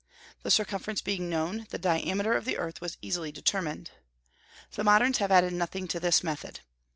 The circumference being known, the diameter of the earth was easily determined. The moderns have added nothing to this method.